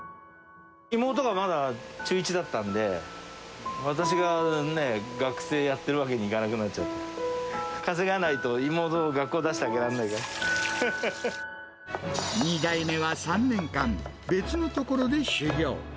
妹がまだ中１だったんで、私が学生やってるわけにいかなくなっちゃって、稼がないと、２代目は３年間、別の所で修業。